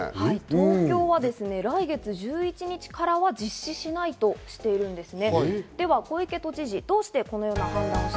東京は来月１１日からは実施しないとしています。